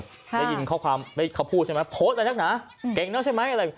ได้ยินข้อความเขาพูดใช่ไหมโพสอะไรแหละนะ